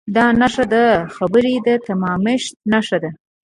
دا نښه د خبرې د تمامښت نښه ده.